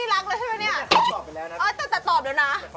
เออเตอปหยุดตอบแล้วนะ